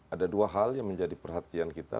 ada dua hal yang menjadi perhatian kita